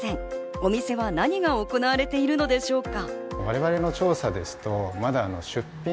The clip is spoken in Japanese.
お店は何が行われているのでしょうか。